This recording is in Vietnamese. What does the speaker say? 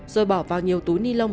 rồi bỏ vào nhiều túi ni lông